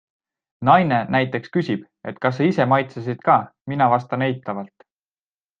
Naine näiteks küsib, et kas sa ise maitsesid ka, mina vastan eitavalt.